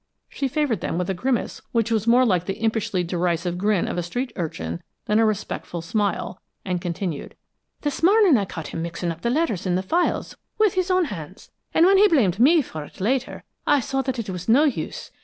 She favored them with a grimace which was more like the impishly derisive grin of a street urchin than a respectful smile, and continued: "This morning I caught him mixing up the letters in the files with his own hands, and when he blamed me for it later, I saw that it was no use.